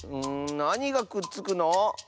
んなにがくっつくの？